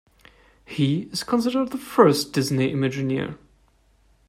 He is considered the first Disney Imagineer.